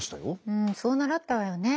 うんそう習ったわよね。